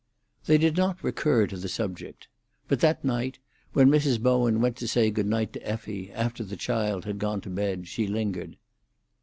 They did not recur to the subject. But that night, when Mrs. Bowen went to say good night to Effie, after the child had gone to bed, she lingered.